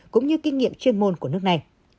cũng như kinh nghiệm chuyên môn của nước này